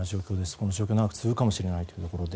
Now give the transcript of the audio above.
この状況が長く続くかもしれないということで。